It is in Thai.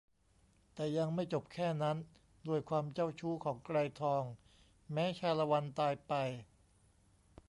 แต่ยังไม่จบแค่นั้นด้วยความเจ้าชู้ของไกรทองแม้ชาละวันตายไป